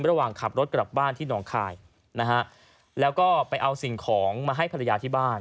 ระหว่างขับรถกลับบ้านที่หนองคายนะฮะแล้วก็ไปเอาสิ่งของมาให้ภรรยาที่บ้าน